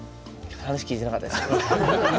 話を聞いてなかったです。